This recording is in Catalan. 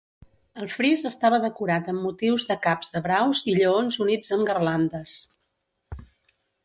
El fris estava decorat amb motius de caps de braus i lleons units amb garlandes.